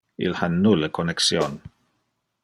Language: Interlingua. Il ha nulle connexion.